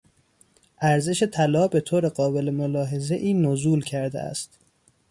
ارزش طلا به طور قابل ملاحظهای نزول کرده است.